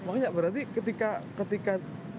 makanya berarti ketika